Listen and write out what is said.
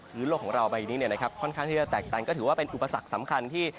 หรือโลกของเราไปอย่างนี้เนี่ยนะครับค่อนข้างที่จะแตกตันก็ถือว่าเป็นอุปสรรคสำคัญที่